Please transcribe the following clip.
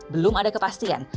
belum ada kepastian